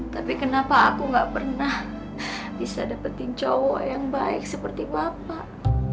tapi kenapa aku gak pernah bisa dapetin jawa yang baik seperti bapak